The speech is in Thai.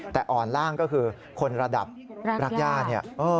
แต่อ่อนล่างก็คือคนระดับรักย่าเนี่ย